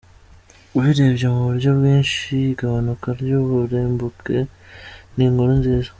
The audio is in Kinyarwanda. Ubirebeye mu buryo bwinshi, igabanuka ry'uburumbuke ni inkuru nziza.